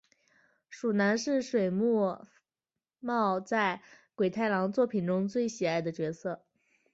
鼠男是水木茂在鬼太郎作品中最喜爱的角色。